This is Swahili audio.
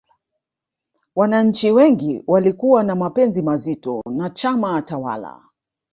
wananchi wengi walikuwa na mapenzi mazito na chama tawala